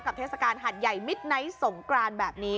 เทศกาลหัดใหญ่มิดไนท์สงกรานแบบนี้